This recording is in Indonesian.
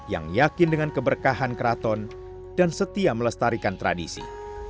yang yakin dengan keberkahan keraton dan setia melestarikan tradisi